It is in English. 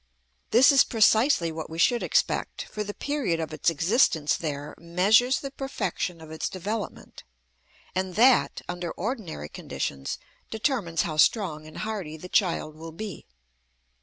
This is precisely what we should expect, for the period of its existence there measures the perfection of its development; and that, under ordinary conditions, determines how strong and hardy the child will be.